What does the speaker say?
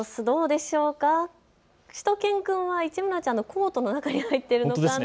しゅと犬くんは市村ちゃんのコートの中に入っているのかな？